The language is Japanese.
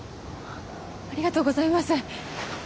ありがとうございます。